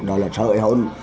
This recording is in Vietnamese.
đó là sợi hôn